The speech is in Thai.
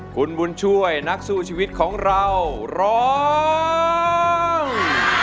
คุณบุญช่วยนักสู้ชีวิตของเราร้อง